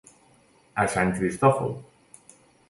A sant Cristòfol.